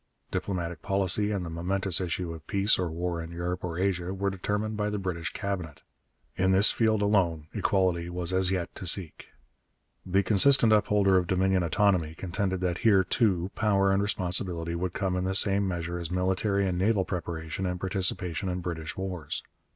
Diplomatic policy and the momentous issue of peace or war in Europe or Asia were determined by the British Cabinet. In this field alone equality was as yet to seek. The consistent upholder of Dominion autonomy contended that here, too, power and responsibility would come in the same measure as military and naval preparation and participation in British wars.